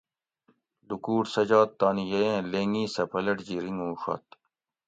لوکوٹ سجاد تانی یییں لینگی سہ پلٹجی رِنگوڛت